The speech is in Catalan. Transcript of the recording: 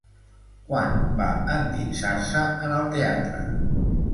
Quan va endinsar-se en el teatre?